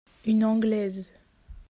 Une Anglaise.